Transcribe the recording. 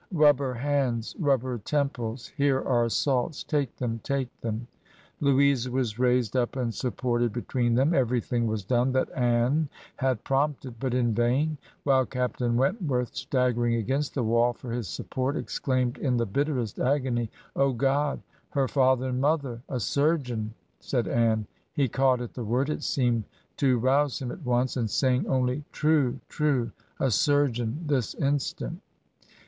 Rub her hands, rub her temples ; here aresalts ; take them, take them.' Louisa was raised up and supported between them. Everything was done that Anne had prompted, but in vain; while Captain Wentworth, staggering against the wall for his sup port, exclaimed in the bitterest agony, 'Oh, God! Her father and mother!' 'A surgeon!' said Anne. He caught at the word; it seemed to rouvve him at once; and saying only, 'True, true; a surgeon this instant.'